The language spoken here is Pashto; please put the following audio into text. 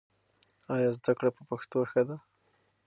ایا زده کړه په پښتو ښه ده؟